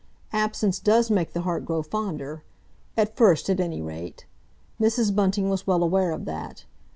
Absence does make the heart grow fonder—at first, at any rate. Mrs. Bunting was well aware of that.